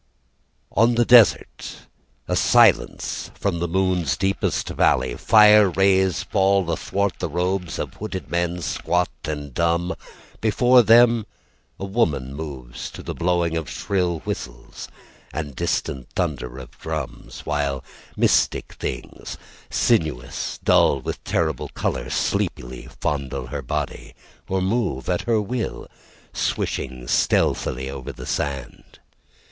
On the desert A silence from the moon's deepest valley. Fire rays fall athwart the robes Of hooded men, squat and dumb. Before them, a woman Moves to the blowing of shrill whistles And distant thunder of drums, While mystic things, sinuous, dull with terrible color, Sleepily fondle her body Or move at her will, swishing stealthily over the sand.